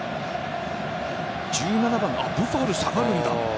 １７番・ブファルが下がるんだ。